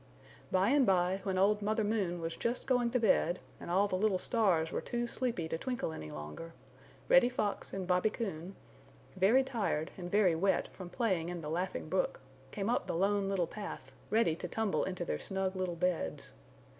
By and by when old Mother Moon was just going to bed and all the little stars were too sleepy to twinkle any longer, Reddy Fox and Bobby Coon, very tired and very wet from playing in the Laughing Brook, came up the Lone Little Path, ready to tumble into their snug little beds.